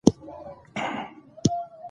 غزني د افغانستان په طبیعت کې مهم رول لري.